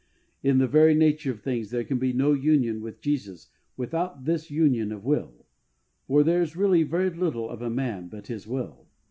In the very nature of things there can be no union with Jesus without this union of will, for there is really vei^ little of a man but his will.